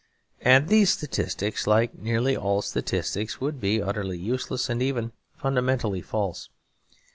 And these statistics, like nearly all statistics, would be utterly useless and even fundamentally false.